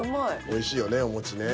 おいしいよねおもちね。